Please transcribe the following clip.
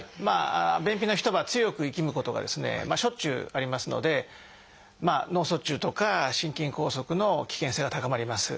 便秘の人は強くいきむことがですねしょっちゅうありますので脳卒中とか心筋梗塞の危険性が高まります。